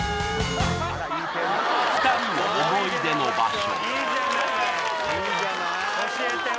２人の思い出の場所